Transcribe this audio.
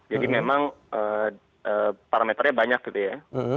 jadi memang parameternya banyak gitu ya